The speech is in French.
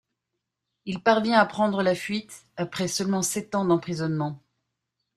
Il parvient à prendre la fuite après seulement sept ans d'emprisonnement.